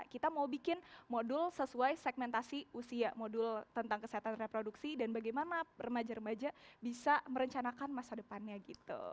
kita mau bikin modul sesuai segmentasi usia modul tentang kesehatan reproduksi dan bagaimana remaja remaja bisa merencanakan masa depannya gitu